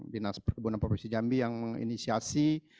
dinas perkebunan provinsi jambi yang menginisiasi